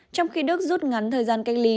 trong khi đức rút ngắn thời gian cách ly